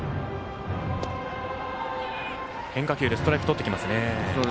変化球でストライクをとってきますね。